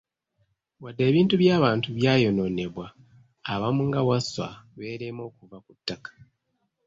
Wadde ebintu by'abantu byayonoonebwa, abamu nga Wasswa beerema okuva ku ttaka.